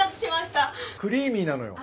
クリーミーなのよ。